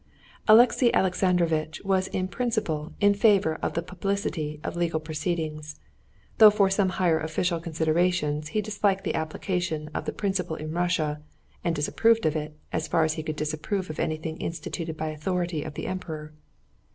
Alexey Alexandrovitch was in principle in favor of the publicity of legal proceedings, though for some higher official considerations he disliked the application of the principle in Russia, and disapproved of it, as far as he could disapprove of anything instituted by authority of the Emperor.